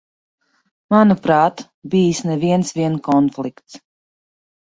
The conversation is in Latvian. Manuprāt, bijis ne viens vien konflikts.